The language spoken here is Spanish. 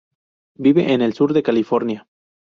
Vive en el sur de California.